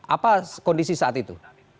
apa kondisi saat itu